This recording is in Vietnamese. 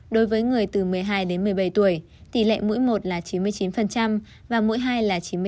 đối với người từ một mươi hai đến một mươi bảy tuổi tỷ lệ mỗi một là chín mươi chín và mỗi hai là chín mươi bốn